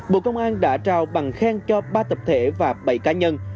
bộ công an đã trao bằng khen cho ba tập thể và bảy cá nhân